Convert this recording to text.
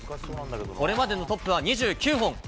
これまでのトップは２９本。